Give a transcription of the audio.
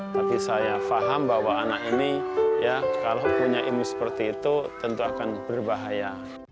tapi saya paham bahwa anak ini ya kalau punya ilmu seperti itu tentu akan berbahaya